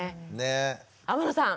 天野さん